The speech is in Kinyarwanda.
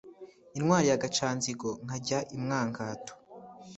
Intwari ya Gacanzigo nkajya i Mwangato.